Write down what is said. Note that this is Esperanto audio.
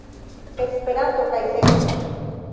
Esperanto kaj sekso.